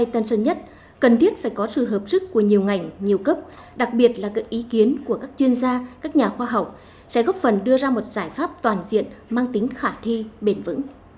giải tỏa ách tắc giao thông khu vực sân bay tân sơn nhất cần thiết phải có sự hợp sức của nhiều ngành nhiều cấp đặc biệt là các ý kiến của các chuyên gia các nhà khoa học sẽ góp phần đưa ra một giải pháp toàn diện mang tính khả thi bền vững